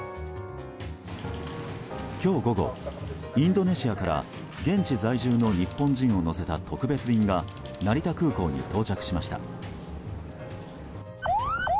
今日午後、インドネシアから現地在住の日本人を乗せた特別便が成田空港に到着しました。